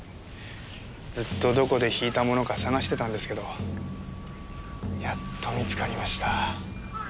ずっとどこで引いたものか探してたんですけどやっと見つかりました。